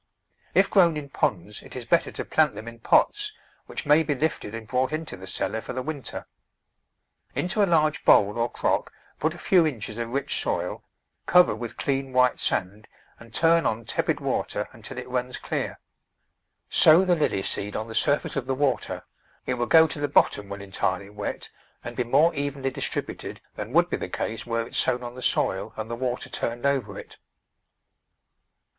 If grown in ponds it is better to plant them in pots, which may be lifted and brought into the cellar for the winter. Into a large bowl or crock put a few inches of rich soil, cover with clean white sand and turn on tepid water until it runs clear. Sow the lily seed on the surface of the water; it will go to the bottom when entirely wet and be more evenly distrib uted than would be the case were it sown on the soil and the water turned over it.